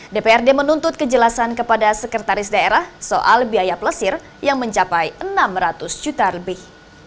dprd menuntut kejelasan kepada sekretaris daerah soal biaya pelesir yang mencapai enam ratus juta lebih